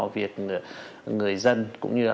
việc người dân cũng như là